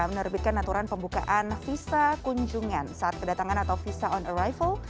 menerbitkan aturan pembukaan visa kunjungan saat kedatangan atau visa on arrival